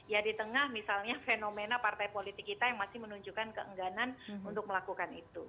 ya di tengah misalnya fenomena partai politik kita yang masih menunjukkan keengganan untuk melakukan itu